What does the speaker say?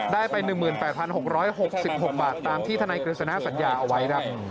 ได้ไป๑๘๖๖บาทตามที่ธนายกฤษณะสัญญาเอาไว้ครับ